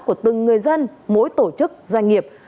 của từng người dân mỗi tổ chức doanh nghiệp